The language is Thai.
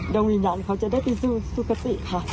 วิญญาณเขาจะได้ไปสู่สุขติค่ะ